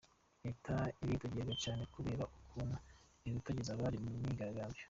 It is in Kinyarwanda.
Leta iridogerwa cane kubera ukuntu ihutagiza abari mu myiyerekano.